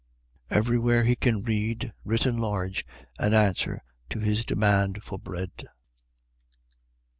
Everywhere he can read, written large, an answer to his demand for bread.